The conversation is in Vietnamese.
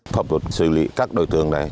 pháp luật xử lý các đối tượng này